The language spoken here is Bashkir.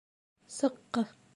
— Сыҡҡы...